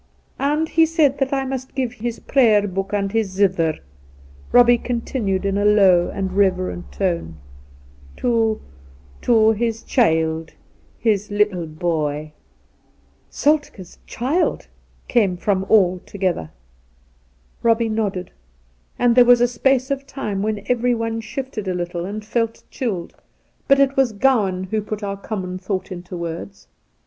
And he said that I must give his Prayer Book and his zither ' (Eobbie continued in a lower and reverent tone) ' to — ^to his child — his little boy.' ' Solthe's child f came from aU together. Eobbie nodded, and there was a space of time when everyone shifted a little and felt chilled; but Soltke 7? it was Gowan who put our common thought into, words.